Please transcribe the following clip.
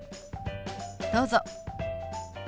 どうぞ。